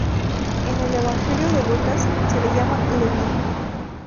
En el "Evangelio de Lucas" se le llama Leví.